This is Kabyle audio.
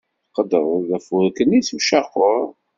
Tqeddred-d afurk-nni s ucaqur.